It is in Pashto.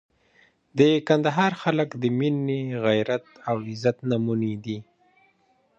د کندهار خلک د مینې، غیرت او عزت نمونې دي.